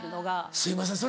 すいませんそれ